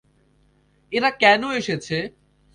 এরা কেন এসেছে?